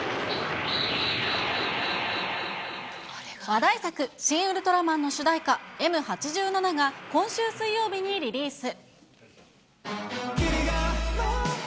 話題作、シン・ウルトラマンの主題歌、Ｍ八七が、今週水曜日にリリース。